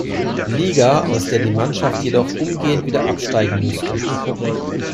Liga, aus der die Mannschaft jedoch umgehend wieder absteigen musste.